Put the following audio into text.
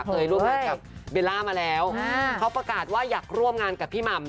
เคยร่วมงานกับเบลล่ามาแล้วเขาประกาศว่าอยากร่วมงานกับพี่หม่ำ